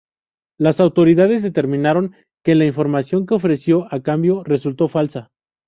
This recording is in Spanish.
Las autoridades determinaron que la información que ofreció a cambio resultó falsa.